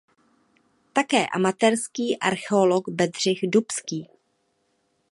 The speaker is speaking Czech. Také amatérský archeolog Bedřich Dubský.